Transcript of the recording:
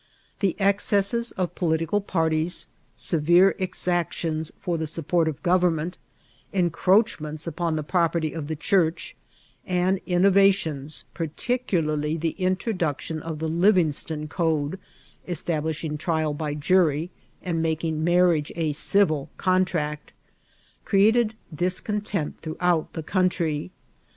The excesses of political parties, severe ex« aotions for tiie support of government, encroachments upon the property of Ae Chnrdi, and innovations, par* tienkarly the introduction of the LivingMon Code, es tablishing trial by jury, and making marriage a civil contract, created discontent diroughout the country.